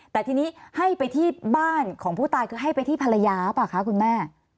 แต่ทีนี้ให้ไปที่บ้านของผู้ตายคือให้ไปที่ภรรยาหรือเปล่าคะคุณแม่